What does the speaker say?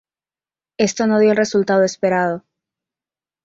Esto no dio el resultado esperado.